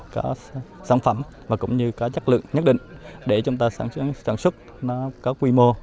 có sản phẩm và cũng như có chất lượng nhất định để chúng ta sản xuất nó có quy mô